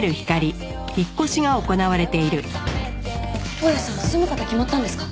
大家さん住む方決まったんですか？